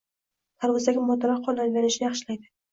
Tarvuzdagi moddalar qon aylanishini yaxshilaydi.